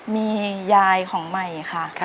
มียายของใหม่ค่ะ